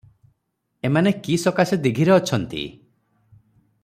ଏମାନେ କି ସକାଶେ ଦୀଘିରେ ଅଛନ୍ତି?